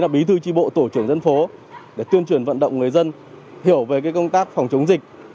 bí thư tri bộ tổ trưởng dân phố để tuyên truyền vận động người dân hiểu về công tác phòng chống dịch